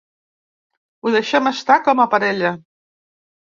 Ho deixem estar com a parella.